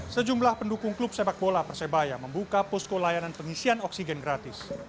sejumlah pendukung klub sepak bola persebaya membuka posko layanan pengisian oksigen gratis